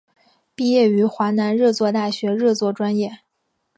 毕业于华南热作大学热作专业。